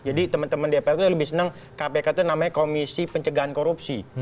jadi teman teman dpr itu lebih senang kpk itu namanya komisi pencegahan korupsi